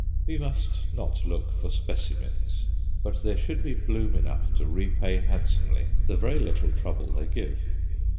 We must not look for "specimens," but there should be bloom enough to repay handsomely the very little trouble they give.